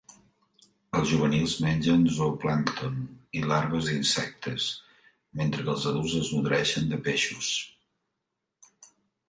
Els juvenils mengen zooplàncton i larves d'insectes, mentre que els adults es nodreixen de peixos.